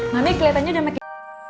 mami keliatannya udah makin